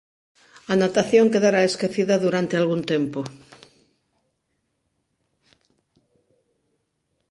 A natación quedará esquecida durante algún tempo.